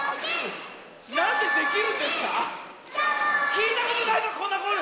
きいたことないぞこんなコール！